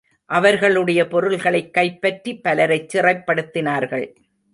அவர்களுடைய பொருள்களைக் கைப்பற்றி பலரைச் சிறைப் படுத்தினார்கள்.